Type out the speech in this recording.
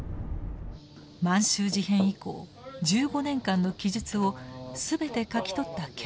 満州事変以降１５年間の記述を全て書き取った研究者がいます。